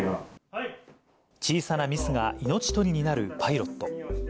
小さなミスが命取りになるパイロット。